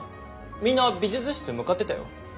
みんな美術室へ向かってたよ。